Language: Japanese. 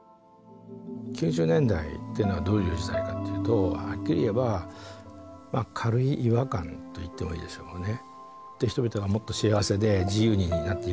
９０年っていうのはどういう時代かっていうとはっきり言えば軽い違和感と言ってもいいでしょうね。